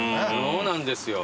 そうなんですよ。